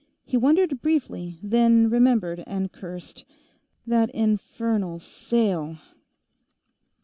He wondered, briefly, then remembered, and cursed. That infernal sale!